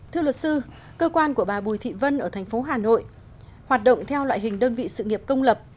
thưa luật sư cơ quan của bà bùi thị vân ở thành phố hà nội hoạt động theo loại hình đơn vị sự nghiệp công lập